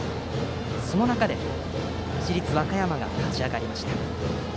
その中で市立和歌山が勝ち上がりました。